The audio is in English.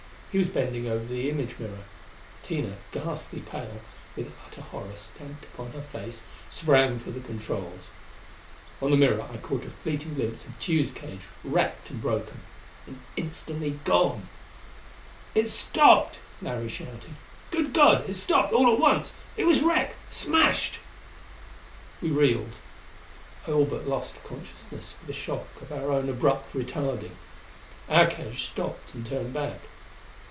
He was bending over the image mirror; Tina, ghastly pale, with utter horror stamped upon her face, sprang for the controls. On the mirror I caught a fleeting glimpse of Tugh's cage, wrecked and broken and instantly gone. "It stopped!" Larry shouted. "Good God, it stopped all at once! It was wrecked! Smashed!" We reeled; I all but lost consciousness with the shock of our own abrupt retarding. Our cage stopped and turned back.